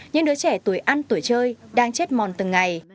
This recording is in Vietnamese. những đứa trẻ tuổi ăn tuổi chơi đang chết mòn từng ngày